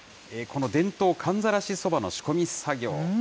この伝統、寒ざらしそばの仕込み作業。